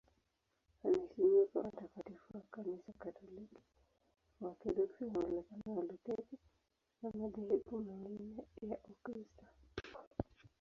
Anaheshimiwa kama mtakatifu na Kanisa Katoliki, Waorthodoksi, Waanglikana, Walutheri na madhehebu mengine ya Ukristo.